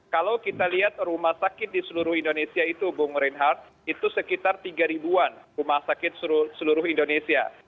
kalau kita lihat rumah sakit di seluruh indonesia itu bung reinhardt itu sekitar tiga ribuan rumah sakit seluruh indonesia